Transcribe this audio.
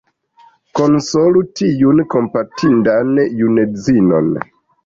Konsolu tiun kompatindan junedzinon!..